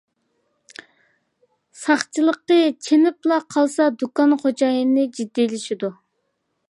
ساقچىلىقى چېنىپلا قالسا دۇكان خوجايىنى جىددىيلىشىدۇ.